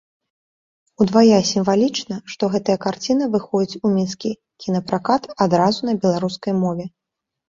Удвая сімвалічна, што гэтая карціна выходзіць у мінскі кінапракат адразу на беларускай мове.